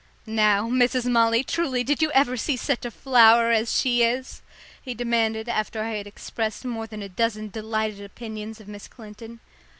"Now, Mrs. Molly, truly did you ever see such a flower as she is?" he demanded after I had expressed more than a dozen delighted opinions of Miss Clinton.